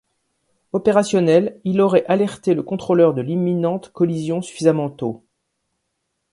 Opérationnel, il aurait alerté le contrôleur de l'imminente collision suffisamment tôt.